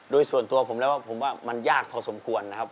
โดยส่วนตัวผมแล้วว่าผมว่ามันยากพอสมควรนะครับ